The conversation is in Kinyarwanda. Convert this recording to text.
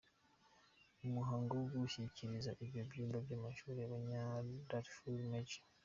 Mu muhango wo gushyikiriza ibyo byumba by’amashuri abanya-Darfur, Maj.